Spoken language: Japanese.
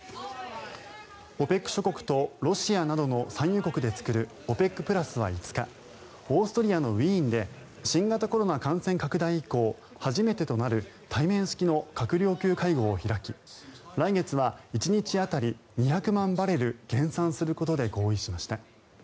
ＯＰＥＣ諸国とロシアなどの産油国で作るＯＰＥＣプラスは５日オーストリアのウィーンで新型コロナ感染拡大以降初めてとなる対面式の閣僚級会合を開き来月は１日当たり２００万バレル減産することで合意しました。